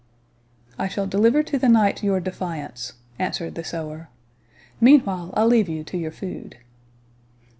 "I shall deliver to the knight your defiance," answered the sewer; "meanwhile I leave you to your food."